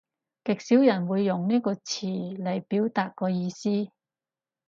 極少人會用呢個詞嚟表達個意思